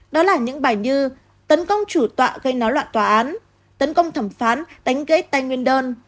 đó là những bài như tấn công chủ tọa gây náo loạn tòa án tấn công thẩm phán đánh ghé tay nguyên đơn